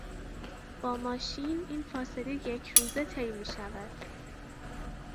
با ماشین این فاصله یکروزه طی میشود.